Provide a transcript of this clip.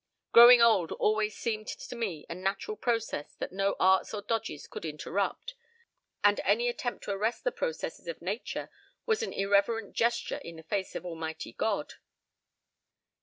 ... Growing old always seemed to me a natural process that no arts or dodges could interrupt, and any attempt to arrest the processes of nature was an irreverent gesture in the face of Almighty God.